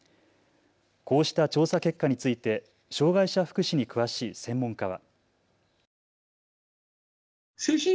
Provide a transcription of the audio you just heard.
こうした調査結果について障害者福祉に詳しい専門家は。